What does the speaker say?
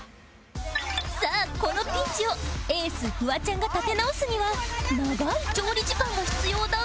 さあこのピンチをエースフワちゃんが立て直すには長い調理時間が必要だが